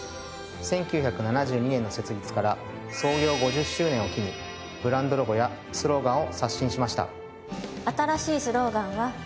１９７２年の設立から創業５０周年を機にブランドロゴやスローガンを刷新しました。